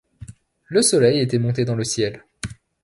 Le soleil était monté dans le ciel.